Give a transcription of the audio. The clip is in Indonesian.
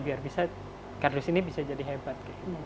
biar bisa kardus ini bisa jadi hebat